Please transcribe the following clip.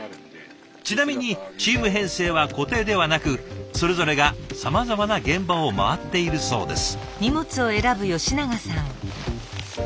ちなみにチーム編成は固定ではなくそれぞれがさまざまな現場を回っているそうです。